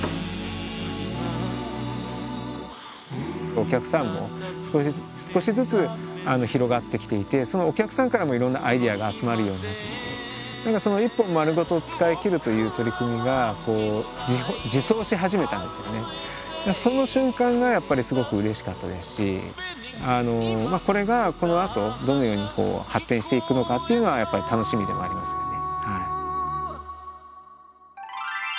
お客さんも少しずつ広がってきていてそのお客さんからもいろんなアイデアが集まるようになってきてその瞬間がやっぱりすごくうれしかったですしこれがこのあとどのように発展していくのかっていうのはやっぱり楽しみでもありますよね。